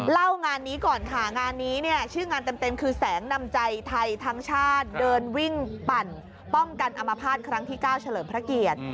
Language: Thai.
เล่างานนี้ก่อนค่ะงานนี้เนี่ยชื่องานเต็มคือแสงนำใจไทยทั้งชาติเดินวิ่งปั่นป้องกันอมภาษณ์ครั้งที่๙เฉลิมพระเกียรติ